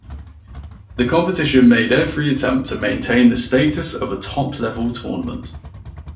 The competition made every attempt to maintain the status of a top-level tournament.